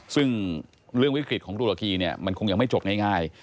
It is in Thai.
ซึ่งเรื่องวิกฤตของตุรกีเนี่ยมันคงยังไม่จบง่าย